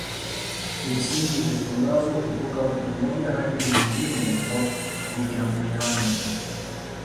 kimsingi husambazwa kutoka mtu mmoja hadi mwingine kwa kujamiiana